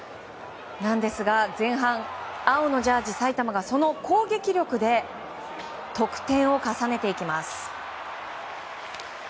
なんですが前半青のジャージー、埼玉がその攻撃力で得点を重ねていきます。